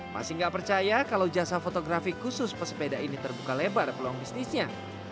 masih nggak percaya kalau jasa fotografi khusus pesepeda ini terbuka lebar peluang bisnisnya